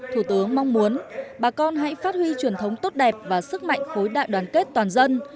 thủ tướng mong muốn bà con hãy phát huy truyền thống tốt đẹp và sức mạnh khối đại đoàn kết toàn dân